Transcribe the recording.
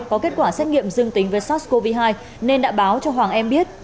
có kết quả xét nghiệm dương tính với sars cov hai nên đã báo cho hoàng em biết